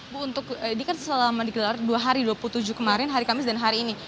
bu untuk ini kan selama digelar dua hari dua puluh tujuh kemarin hari kamis dan hari ini